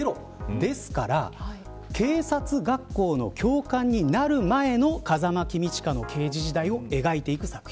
ですから警察学校の教官になる前の風間公親の刑事時代を描いていく作品。